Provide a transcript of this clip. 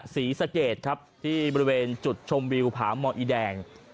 ศรีสะเกดครับที่บริเวณจุดชมวิวผาหมออีแดง